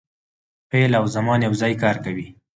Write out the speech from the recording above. فعل او زمان یو ځای کار کوي.